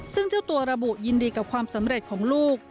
ซึ่งเจ้าตัวระบุยินดีกับความสำเร็จของลูก